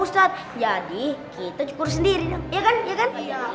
ustadz jadi kita cukur sendiri iya kan iya kan